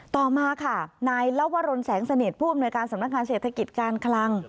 ต่อมาค่ะนายเล่าว่ารนแสงเสน่ห์ภูมิในการสำนักงานเศรษฐกิจการคลัง